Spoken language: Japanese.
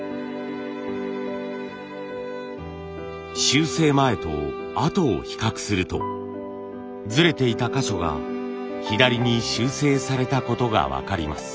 修正前と後を比較するとずれていた箇所が左に修正されたことが分かります。